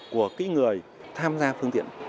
của kỹ người tham gia phương tiện